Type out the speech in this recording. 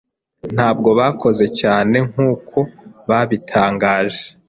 Ntabwo bakoze cyane nkuko babitangaje.